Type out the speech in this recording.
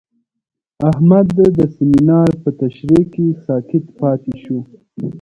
احمد د سمینار په تشریح کې ساکت پاتې شو.